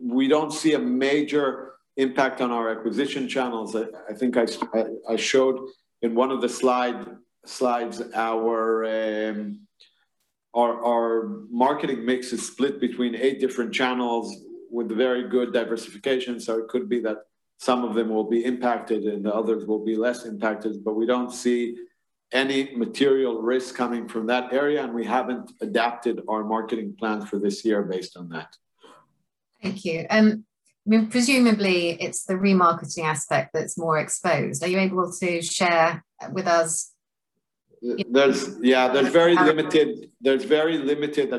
we don't see a major impact on our acquisition channels. I think I showed in one of the slides, our marketing mix is split between eight different channels with very good diversification. It could be that some of them will be impacted and others will be less impacted, but we don't see any material risk coming from that area, and we haven't adapted our marketing plan for this year based on that. Thank you. Presumably, it's the remarketing aspect that's more exposed. Are you able to share with us? Yeah. That's true. There's very limited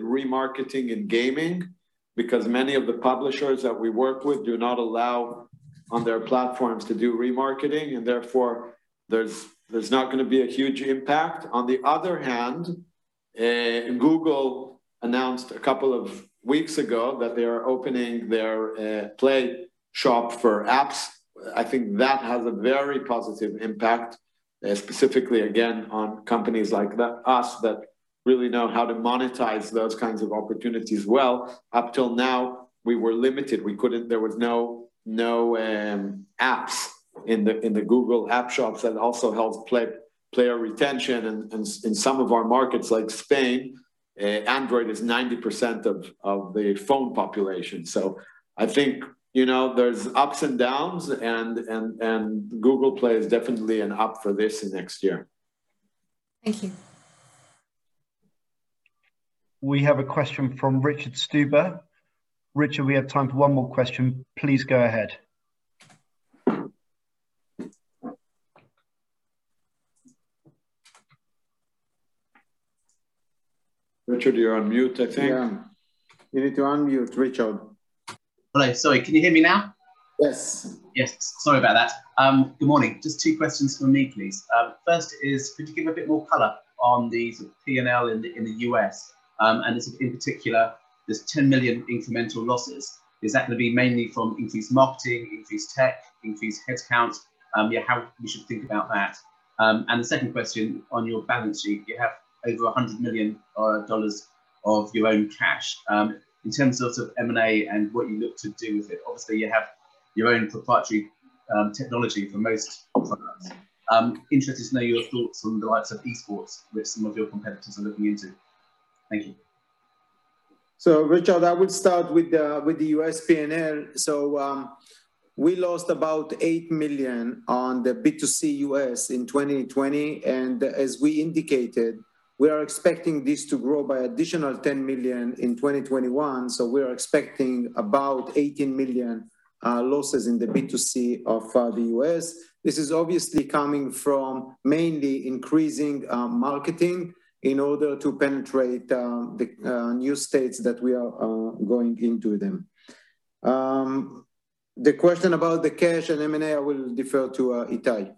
remarketing in gaming because many of the publishers that we work with do not allow on their platforms to do remarketing, and therefore, there's not going to be a huge impact. On the other hand, Google announced a couple of weeks ago that they are opening their Google Play for apps. I think that has a very positive impact, specifically again, on companies like us that really know how to monetize those kinds of opportunities well. Up till now, we were limited. There was no apps in the Google Play. That also helps player retention. In some of our markets like Spain, Android is 90% of the phone population. I think there's ups and downs, and Google Play is definitely an up for this next year. Thank you. We have a question from Richard Stuber. Richard, we have time for one more question. Please go ahead. Richard, you're on mute, I think. You need to unmute, Richard. Hello. Sorry, can you hear me now? Yes. Yes. Sorry about that. Good morning. Just two questions from me, please. First is, could you give a bit more color on the P&L in the U.S., and in particular, this $10 million incremental losses. Is that going to be mainly from increased marketing, increased tech, increased headcounts? Yeah, how we should think about that. The second question on your balance sheet, you have over $100 million of your own cash. In terms of M&A and what you look to do with it, obviously you have your own proprietary technology for most products. Interested to know your thoughts on the likes of esports, which some of your competitors are looking into. Thank you. Richard, I would start with the U.S. P&L. We lost about $8 million on the B2C U.S. in 2020, and as we indicated, we are expecting this to grow by additional $10 million in 2021. We are expecting about $18 million losses in the B2C of the U.S. This is obviously coming from mainly increasing marketing in order to penetrate the new states that we are going into them. The question about the cash and M&A, I will defer to Itai.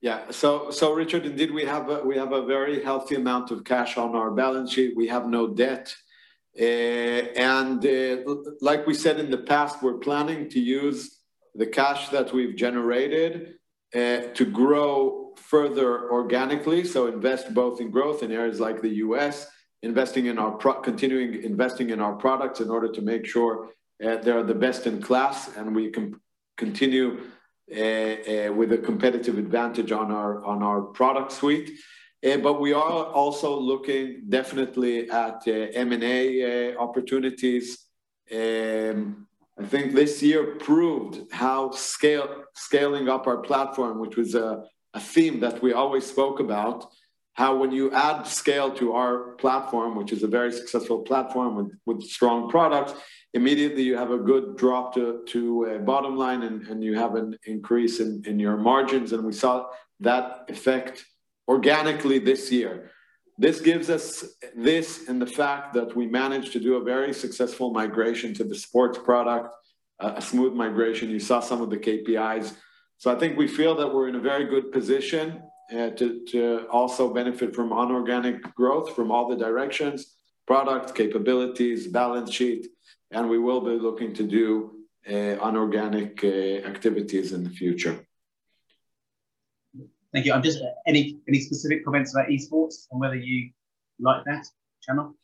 Yeah. Richard, indeed, we have a very healthy amount of cash on our balance sheet. We have no debt. Like we said in the past, we're planning to use the cash that we've generated to grow further organically, so invest both in growth in areas like the U.S., continuing investing in our products in order to make sure they are the best in class and we can continue with a competitive advantage on our product suite. We are also looking definitely at M&A opportunities. I think this year proved how scaling up our platform, which was a theme that we always spoke about, how when you add scale to our platform, which is a very successful platform with strong products, immediately you have a good drop to a bottom line, and you have an increase in your margins, and we saw that effect organically this year. This and the fact that we managed to do a very successful migration to the sports product, a smooth migration, you saw some of the KPIs. I think we feel that we're in a very good position to also benefit from inorganic growth from all the directions, products, capabilities, balance sheet, and we will be looking to do inorganic activities in the future. Thank you. Just any specific comments about esports and whether you like that channel?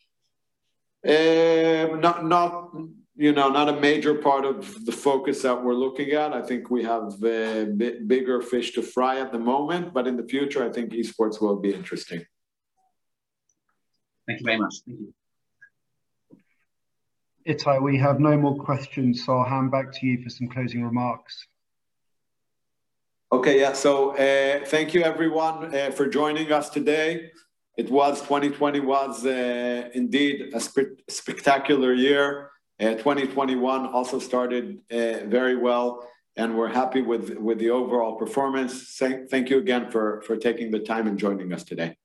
Not a major part of the focus that we're looking at. I think we have bigger fish to fry at the moment, but in the future, I think esports will be interesting. Thank you very much. Thank you. Itai, we have no more questions, so I'll hand back to you for some closing remarks. Okay. Yeah. Thank you everyone for joining us today. 2020 was indeed a spectacular year. 2021 also started very well, and we're happy with the overall performance. Thank you again for taking the time and joining us today.